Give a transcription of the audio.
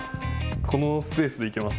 このスペースでいきます。